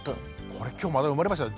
これ今日また生まれましたよ